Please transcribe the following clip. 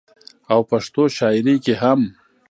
او پښتو شاعرۍ کې هم